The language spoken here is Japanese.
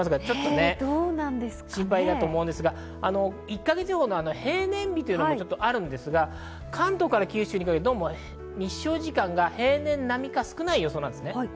心配だと思いますが、１か月予報の平年日があるんですが、関東から九州にかけて日照時間が平年並みか少ない予想です。